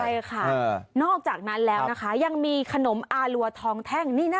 ใช่ค่ะนอกจากนั้นแล้วนะคะยังมีขนมอารัวทองแท่ง